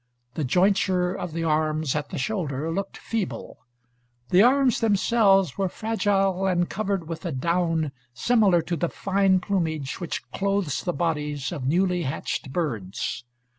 The jointure of the arms at the shoulder looked feeble. The arms themselves were fragile, and covered with a down similar to the fine plumage which clothes the bodies of newly hatched birds.